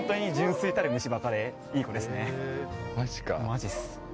マジっす。